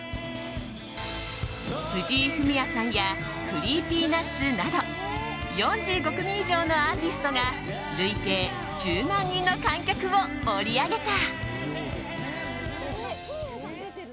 藤井フミヤさんやＣｒｅｅｐｙＮｕｔｓなど４５組以上のアーティストが累計１０万人の観客を盛り上げた。